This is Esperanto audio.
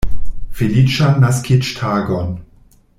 Feliĉan naskiĝtagon!